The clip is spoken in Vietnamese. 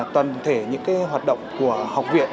toàn thể những hoạt động của học viện